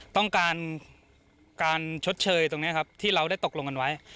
ต้องการการชดเชยตรงนี้ครับที่เราได้ตกลงกันไว้